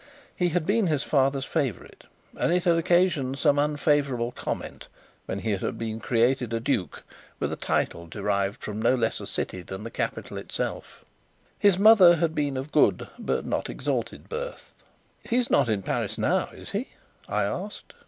He had been his father's favourite, and it had occasioned some unfavourable comment when he had been created a duke, with a title derived from no less a city than the capital itself. His mother had been of good, but not exalted, birth. "He's not in Paris now, is he?" I asked.